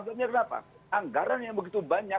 sebenarnya kenapa anggaran yang begitu banyak